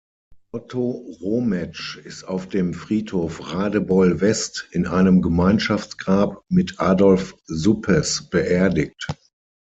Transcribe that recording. Otto Rometsch ist auf dem Friedhof Radebeul-West in einem Gemeinschaftsgrab mit Adolph Suppes beerdigt.